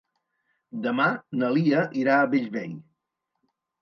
Demà na Lia irà a Bellvei.